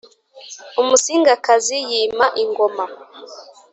umusingakazi yima ingoma